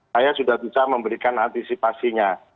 saya sudah bisa memberikan antisipasinya